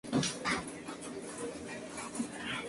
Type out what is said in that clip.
Tenía una especial manía contra los jesuitas.